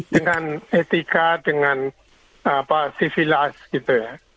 dengan etika dengan apa sivilas gitu ya